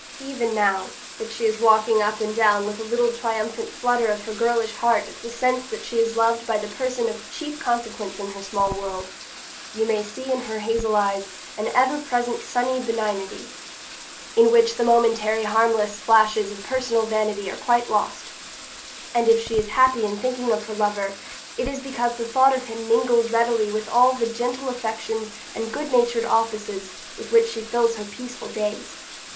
Even now, that she is walking up and down with a little triumphant flutter of her girlish heart at the sense that she is loved by the person of chief consequence in her small world, you may see in her hazel eyes an ever present sunny benignity, in which the momentary harmless flashes of personal vanity are quite lost; and if she is happy in thinking of her lover, it is because the thought of him mingles readily with all the gentle affections and good natured offices with which she fills her peaceful days.